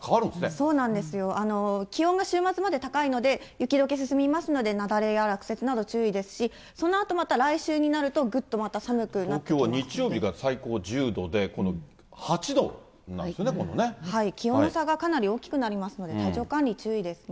そうなんですよ、気温が週末まで高いので、雪どけ進みますので、雪崩や落雪など注意ですし、そのあとまた来週になると、東京は日曜日が最高１０度で、気温の差がかなり大きくなりますので、体調管理、注意ですね。